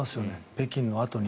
北京のあとに。